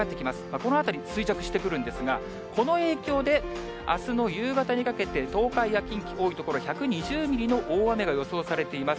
このあたり、垂直してくるんですが、この影響で、あすの夕方にかけて、東海や近畿、多い所１２０ミリの大雨が予想されています。